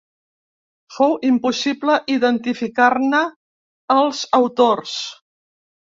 Fou impossible identificar-ne els autors.